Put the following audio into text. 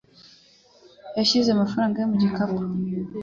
Yashyize amafaranga ye mu gikapu.